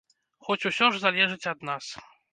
Хоць усё ж залежыць ад нас.